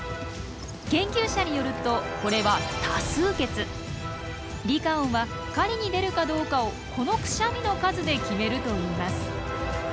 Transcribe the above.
研究者によるとこれはリカオンは狩りに出るかどうかをこのクシャミの数で決めるといいます。